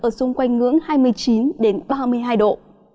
ở xung quanh ngưỡng hai mươi chín ba mươi hai độ